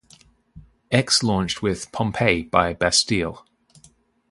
"X" launched with "Pompeii" by Bastille.